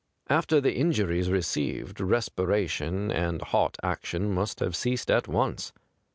After the injm ies received, respira tion and heart action must have ceased at once.